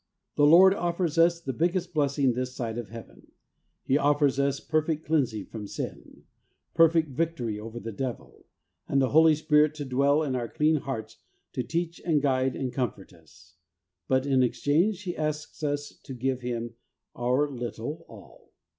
The Lord offers us the biggest blessing this side of Heaven. He offers us perfect cleansing from sin, perfect victory over the Devil, and the Holy Spirit to dwell in our clean hearts to teach and guide and comfort us ; but in exchange He asks us to give Him our little all.